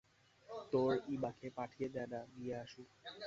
তোর ইমাকে পাঠিয়ে দে না, নিয়ে আসুক।